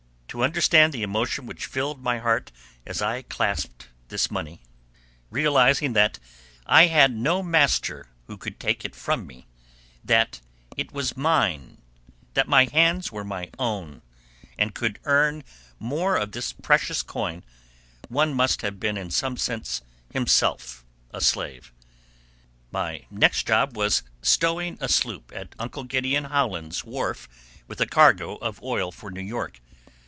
To understand the emotion which swelled my heart as I clasped this money, realizing that I had no master who could take it from me,—that it was mine—that my hands were my own, and could earn more of the precious coin,—one must have been in some sense himself a slave. My next job was stowing a sloop at Uncle Gid. Howland's wharf with a cargo of oil for New York.